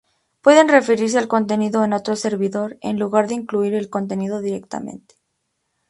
Pueden referirse al contenido en otro servidor, en lugar de incluir el contenido directamente.